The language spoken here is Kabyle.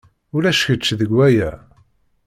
Ulac ccek deg waya.